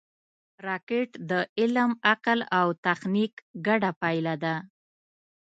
راکټ د علم، عقل او تخنیک ګډه پایله ده